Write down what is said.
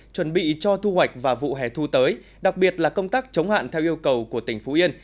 chuẩn bị cho thu hoạch và vụ hẻ thu tới đặc biệt là công tác chống hạn theo yêu cầu của tỉnh phú yên